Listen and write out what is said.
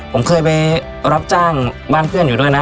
ผมเคยไปรับจ้างบ้านเพื่อนอยู่ด้วยนะ